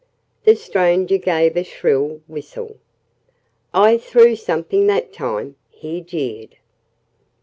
The stranger gave a shrill whistle. "I threw something that time!" he jeered.